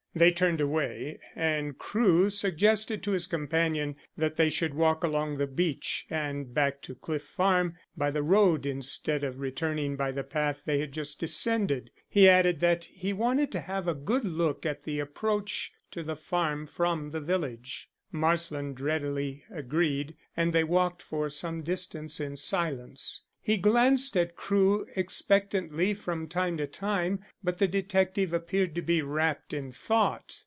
They turned away, and Crewe suggested to his companion that they should walk along the beach and back to Cliff Farm by the road instead of returning by the path they had just descended. He added that he wanted to have a good look at the approach to the farm from the village. Marsland readily agreed, and they walked for some distance in silence. He glanced at Crewe expectantly from time to time, but the detective appeared to be wrapped in thought.